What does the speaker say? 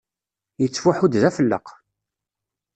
Yettfuḥu-d d afelleq.